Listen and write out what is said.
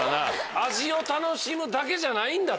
味を楽しむだけじゃないんだと。